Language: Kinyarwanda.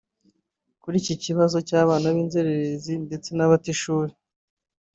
Kuri iki kibazo cy’abana b’inzerere ndetse n’abata ishuri